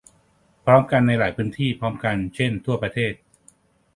พร้อมกันในหลายพื้นที่พร้อมกัน เช่น ทั่วประเทศ